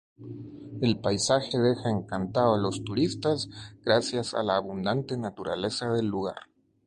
El paisaje deja encantado a los turistas gracias a la abundante naturaleza del lugar.